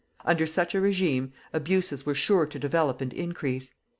Under such a regime abuses were sure to develop and increase.